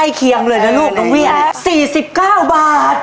แล้วเราได้รู้ค่าต่อไป๑ล้านบาทนะ